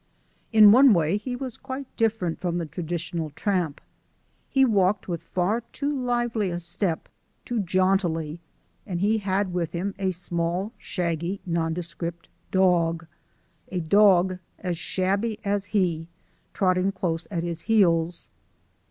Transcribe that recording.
In one way he was quite different from the traditional tramp. He walked with far too lively a step, too jauntily, and he had with him a small, shaggy, nondescript dog, a dog as shabby as he, trotting close at his heels.